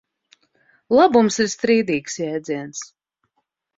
Labums ir strīdīgs jēdziens.